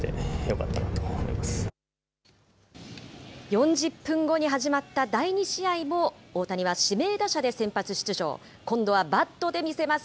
４０分後に始まった第２試合も、大谷は指名打者で先発出場。今度はバットで見せます。